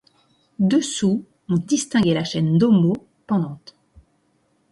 Dessous, on distinguait la chaîne d’Homo, pendante.